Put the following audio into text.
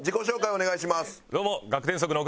お願いします！